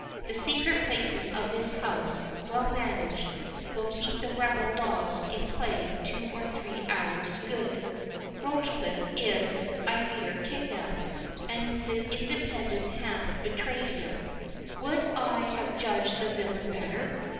The secret places of this house, well managed, will keep the rebel dogs in play two or three hours good—Rochecliffe is, I fear, kidnapped, and his Independent hath betrayed him—Would I had judged the villain better!